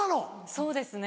そうですね。